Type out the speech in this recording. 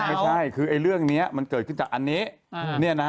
ไม่ใช่คือเรื่องนี้มันเกิดขึ้นจากอันนี้